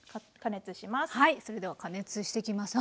はいそれでは加熱していきます。